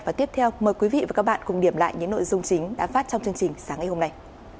và tiếp theo mời quý vị và các bạn cùng điểm lại những nội dung chính đã phát trong chương trình sáng ngày hôm nay